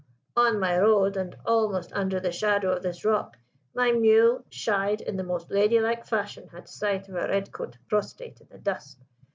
On my road, and almost under the shadow of this rock, my mule shied in the most ladylike fashion at sight of a redcoat prostrate in the dust.